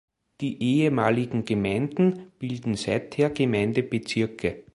Die ehemaligen Gemeinden bilden seither Gemeindebezirke.